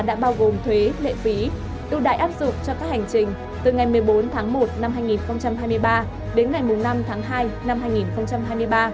đồng phí đủ đại áp dụng cho các hành trình từ ngày một mươi bốn tháng một năm hai nghìn hai mươi ba đến ngày năm tháng hai năm hai nghìn hai mươi ba